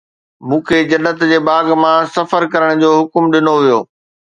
مون کي جنت جي باغ مان سفر ڪرڻ جو حڪم ڇو ڏنو ويو؟